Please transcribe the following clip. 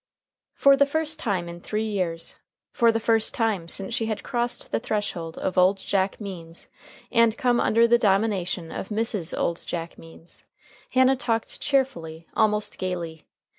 For the first time in three years, for the first time since she had crossed the threshold of "Old Jack Means" and come under the domination of Mrs. Old Jack Means, Hannah talked cheerfully, almost gayly.